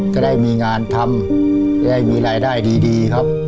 ก็ได้มีงานทำได้มีรายได้ดีครับ